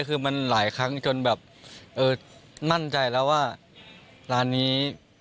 คือมันหลายครั้งจนแบบเออมั่นใจแล้วว่าร้านนี้